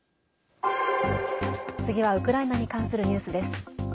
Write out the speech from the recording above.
次はウクライナに関するニュースです。